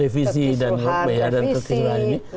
biasanya revisi dan kekisuhan ini